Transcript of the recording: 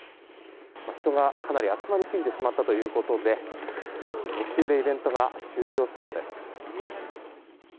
人がかなり集まりすぎてしまったということで途中でイベントが終了したようです。